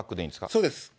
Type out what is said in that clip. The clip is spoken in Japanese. そうです。